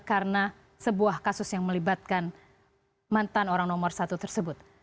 karena sebuah kasus yang melibatkan mantan orang nomor satu tersebut